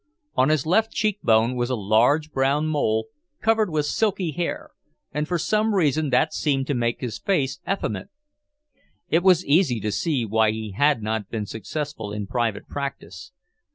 On his left cheekbone was a large brown mole, covered with silky hair, and for some reason that seemed to make his face effeminate. It was easy to see why he had not been successful in private practice.